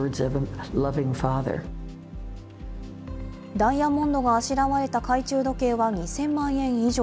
ダイヤモンドがあしらわれた懐中時計は２０００万円以上。